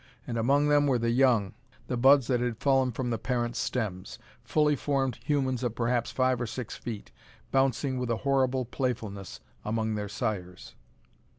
And among them were the young, the buds that had fallen from the parent stems, fully formed humans of perhaps five or six feet, bouncing with a horrible playfulness among their sires.